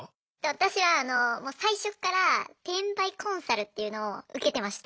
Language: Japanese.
私はもう最初っから転売コンサルっていうのを受けてました。